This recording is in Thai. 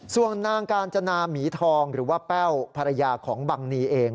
ส่วนนางกาญจนาหมีทองหรือว่าแป้วภรรยาของบังนีเอง